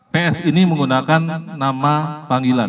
ps ini menggunakan nama panggilan